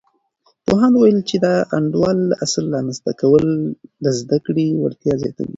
پوهاند وویل، چې د انډول د اصل رامنځته کول د زده کړې وړتیا زیاتوي.